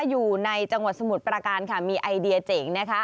อยู่ในจังหวัดสมุทรประการค่ะมีไอเดียเจ๋งนะคะ